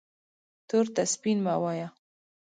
تور ته سپین مه وایه